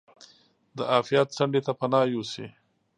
د عافیت څنډې ته پناه یوسي.